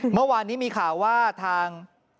เมื่อวานนี้มีข่าวว่าทาง